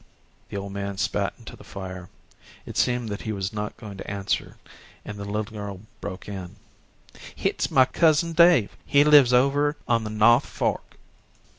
The old man spat into the fire. It seemed that he was not going to answer and the little girl broke in: "Hit's my cousin Dave he lives over on the Nawth Fork."